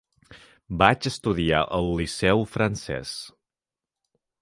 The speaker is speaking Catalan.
Vaig estudiar al Liceu Francès.